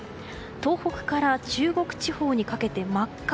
東北から中国地方にかけて真っ赤。